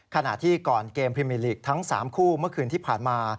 ขณะที่ก่อนเกมพรีมิลีกทั้ง๓คู่เมื่อคืนที่ผ่านมา